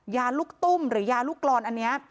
ยาลูกตุ้มหรือยาลูกกรอนอันนี้